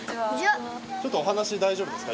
ちょっとお話大丈夫ですか？